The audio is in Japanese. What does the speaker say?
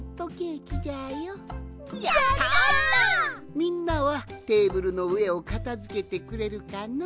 みんなはテーブルのうえをかたづけてくれるかのう？